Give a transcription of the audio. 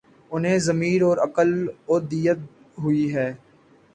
انہیں ضمیر اور عقل ودیعت ہوئی ہی